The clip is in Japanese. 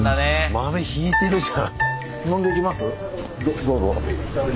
豆ひいてるじゃん。